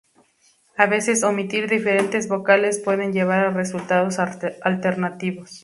A veces omitir diferentes vocales puede llevar a resultados alternativos.